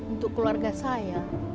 untuk keluarga saya